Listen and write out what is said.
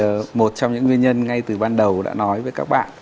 và một trong những nguyên nhân ngay từ ban đầu đã nói với các bạn